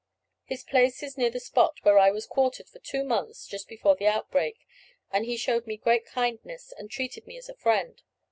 His place is near the spot where I was quartered for two months just before the outbreak, and he showed me great kindness, and treated me as a friend.